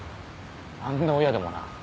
あんな親でもな